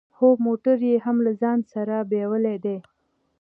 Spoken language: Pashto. هو موټر يې هم له ځان سره بيولی دی.